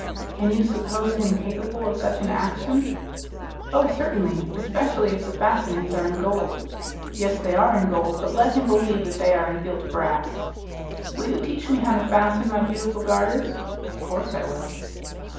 "Can you suppose him capable of such an action?" "Oh! certainly, especially if the fastenings are in gold." "Yes, they are in gold; but let him believe that they are in gilt brass." "Will you teach me how to fasten my beautiful garters?" "Of course I will."